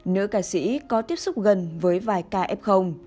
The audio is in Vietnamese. nữ ca sĩ có tiếp xúc gần với vài ca f